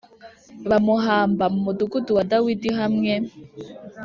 Bamuhamba mu mudugudu wa dawidi hamwe